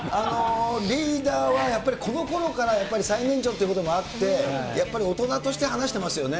リーダーはやっぱり、このころから、やっぱり最年長っていうこともあって、やっぱり大人として話してますよね。